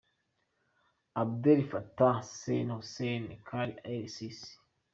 Abdel Fattah Saeed Hussein Khalil el-Sisi